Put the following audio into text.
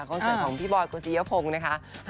คอนเสิร์ตของพี่บอยด์กสิเยียพงศ์นะคะ